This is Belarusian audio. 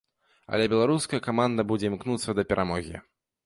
Але беларуская каманда будзе імкнуцца да перамогі.